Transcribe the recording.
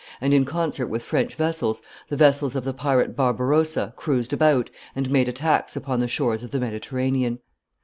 and, in concert with French vessels, the vessels of the pirate Barbarossa cruised about and made attacks upon the shores of the Mediterranean.